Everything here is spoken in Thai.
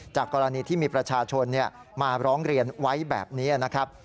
กรณีที่มีประชาชนมาร้องเรียนไว้แบบนี้นะครับ